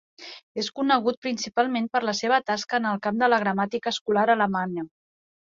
És conegut principalment per la seva tasca en el camp de la gramàtica escolar alemanya.